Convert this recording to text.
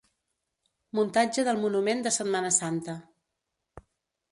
Muntatge del Monument de Setmana Santa.